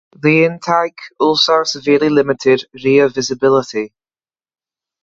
The intake also severely limited rear visibility.